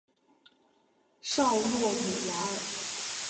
绍洛姆瓦尔。